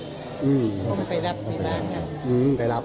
ก็มันไปรับไปบ้างครับ